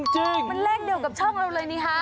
จริงมันเลขเดียวกับช่องเราเลยนี่ฮะ